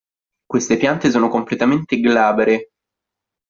Queste piante sono completamente glabre.